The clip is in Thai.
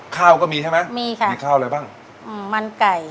ข้าวก็มีใช่ไหมมีค่ะมีข้าวอะไรบ้างอืมมันไก่